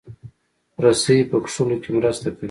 رسۍ په کښلو کې مرسته کوي.